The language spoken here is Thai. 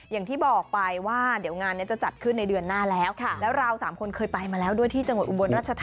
อย่างที่บอกไปว่าเดี๋ยวงานนี้จะจัดขึ้นในเดือนหน้าแล้วแล้วเราสามคนเคยไปมาแล้วด้วยที่จังหวัดอุบลรัชธา